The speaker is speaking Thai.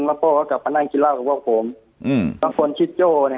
แล้วโป้ก็กลับมานั่งกินเหล้าด้วยว่าผมแล้วคนชื่อโจ